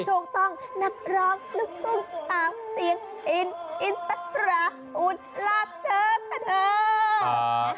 ถูกต้องนักร้องลูกทุ่งหางเสียงอินอินตราอุดลาบเถอะค่ะเธอ